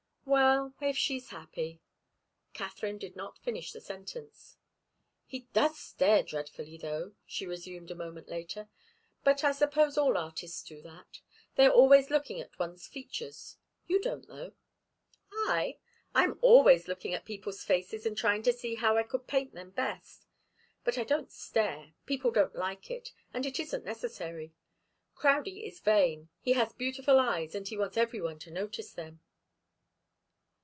"Well if she's happy " Katharine did not finish the sentence. "He does stare dreadfully, though," she resumed a moment later. "But I suppose all artists do that. They are always looking at one's features. You don't, though." "I? I'm always looking at people's faces and trying to see how I could paint them best. But I don't stare. People don't like it, and it isn't necessary. Crowdie is vain. He has beautiful eyes and he wants every one to notice them."